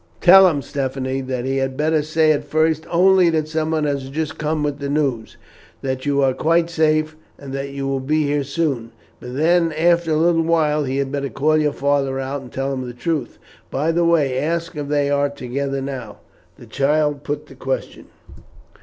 "Tell him, Stephanie, that he had better say at first only that someone has just come with the news that you are quite safe, and that you will be here soon, and then after a little while, he had better call your father out and tell him the truth. By the way, ask if they are together now." The child put the question.